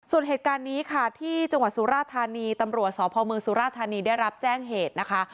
ส่วนเหตุการณ์นี้ค่ะที่จังหวัดสุราธานีตำรวจสพเมืองสุราธานีได้รับแจ้งเหตุนะคะ